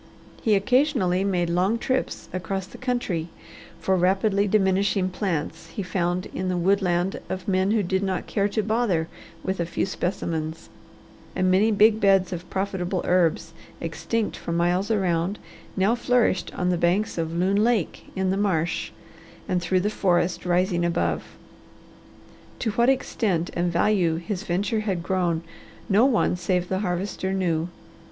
He occasionally made long trips across the country for rapidly diminishing plants he found in the woodland of men who did not care to bother with a few specimens, and many big beds of profitable herbs, extinct for miles around, now flourished on the banks of Loon Lake, in the marsh, and through the forest rising above. To what extent and value his venture had grown, no one save the Harvester knew.